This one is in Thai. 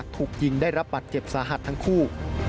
ถูกยิงได้รับบัตรเจ็บสาหัสทั้งคู่